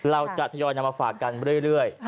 เราจะย่อนนำฝากกันเรื่อย